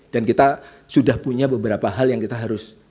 dan kita sudah punya beberapa hal yang kita harus